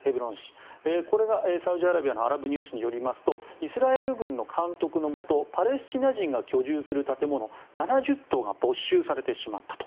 これがサウジアラビアのアラブニュースによりますとイスラエル軍の監督のもとパレスチナ人が居住する建物７０棟が没収されてしまったと。